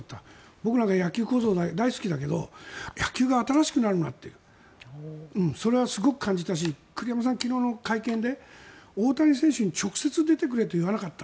僕なんか野球小僧、大好きだけど野球が新しくなるなってそれはすごく感じたし、栗山さん昨日の会見で大谷選手に直接出てくれと言わなかった。